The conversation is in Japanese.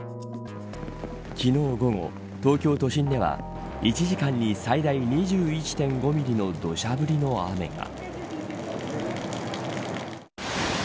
昨日午後東京都心では１時間に最大２１．５ミリの土砂降りの雨が。